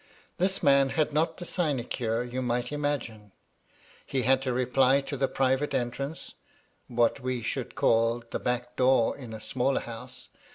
This man had not the sinecure you might imagine. He had to reply to the private entrance; what we should call the back door in a smaller house.